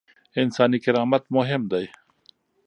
انساني کرامت مهم دی.